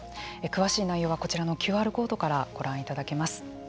詳しい内容はこちらのＱＲコードからご覧いただけます。